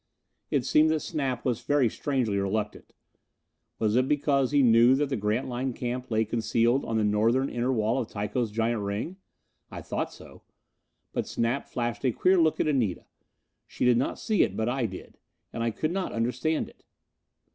It seemed that Snap was very strangely reluctant: Was it because he knew that the Grantline camp lay concealed on the north inner wall of Tycho's giant ring? I thought so. But Snap flashed a queer look at Anita. She did not see it, but I did. And I could not understand it.